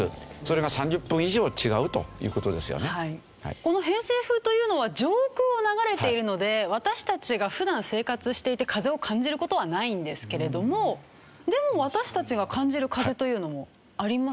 この偏西風というのは上空を流れているので私たちが普段生活していて風を感じる事はないんですけれどもでも私たちが感じる風というのもありますよね。